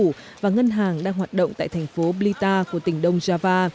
cảnh sát và ngân hàng đang hoạt động tại thành phố blita của tỉnh đông java